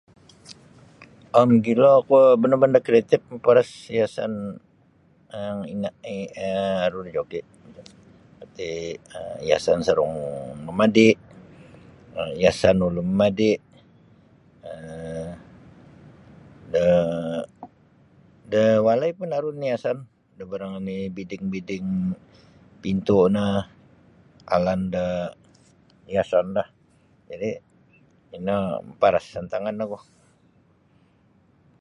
um mogilo kuo benda-benda kreatif hiasan yang aru dijoki nu iti hiasan sarung mamadi' hiasan ulu mamadi' um de da walai pun aru nini hiasan da barang biding-biding pintu no alan da hiasanlah jadi ino maparas antangan ogu.